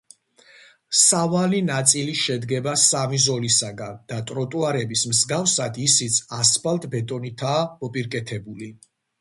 სავალი ნაწილი შედგება სამი ზოლისაგან და ტროტუარების მსგავსად ისიც ასფალტ-ბეტონითაა მოპირკეთებული.